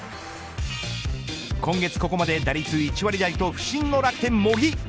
今月ここまで打率１割台と不振の楽天、茂木